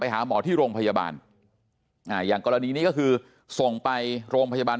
หาหมอที่โรงพยาบาลอ่าอย่างกรณีนี้ก็คือส่งไปโรงพยาบาล